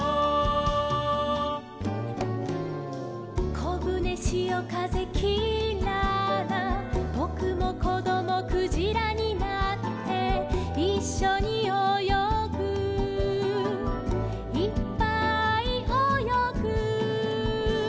「こぶねしおかぜきらら」「ぼくもこどもクジラになって」「いっしょにおよぐいっぱいおよぐ」